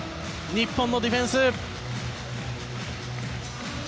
日本のディフェンス。